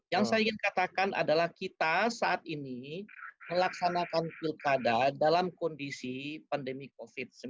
yang saya ingin katakan adalah kita saat ini melaksanakan pilkada dalam kondisi pandemi covid sembilan belas